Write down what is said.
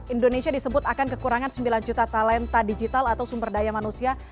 indonesia disebut akan kekurangan sembilan juta talenta digital atau sumber daya manusia